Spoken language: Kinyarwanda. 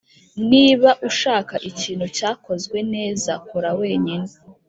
niba ushaka ikintu cyakozwe neza, kora wenyine